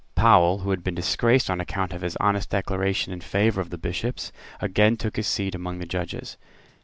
Powell, who had been disgraced on account of his honest declaration in favour of the Bishops, again took his seat among the judges.